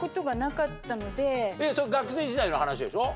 それ学生時代の話でしょ？